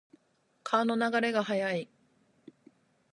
川の流れが速い。